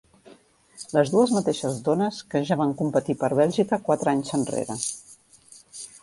Les dues mateixes dones que ja van competir per Bèlgica quatre anys enrere.